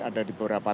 ada di borapa tempat